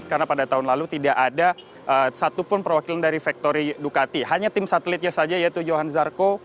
karena pada tahun lalu tidak ada satupun perwakilan dari factory ducati hanya tim satelitnya saja yaitu johan zarco